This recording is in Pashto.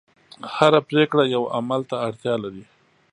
هره پرېکړه یوه عمل ته اړتیا لري.